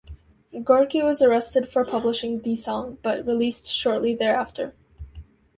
Gorky was arrested for publishing "The Song", but released shortly thereafter.